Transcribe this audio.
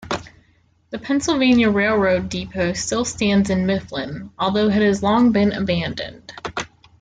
The Pennsylvania Railroad depot still stands in Mifflin, although it has long been abandoned.